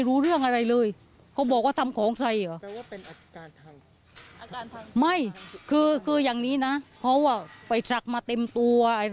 เขาไปสักมาเต็มตัว